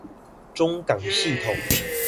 中港系統